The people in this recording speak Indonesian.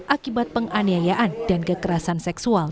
akibat penganiayaan dan kekerasan seksual